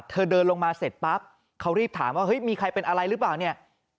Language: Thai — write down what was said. เธอเดินลงมาเสร็จปั๊บเขารีบถามว่าเฮ้ยมีใครเป็นอะไรหรือเปล่าเนี่ย